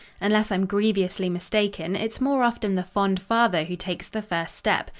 Unless I'm grievously mistaken it's more often the fond father who takes the first step.